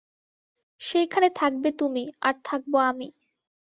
সেইখানে থাকবে তুমি, আর থাকব আমি।